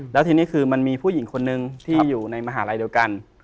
แล้วทีนี้คือมันมีผู้หญิงคนนึงที่อยู่ในมหาลัยเดียวกัน